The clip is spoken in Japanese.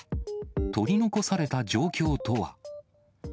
取り残された状況とは。